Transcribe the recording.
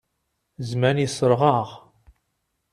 Zzman yeṣṣreɣ-aɣ.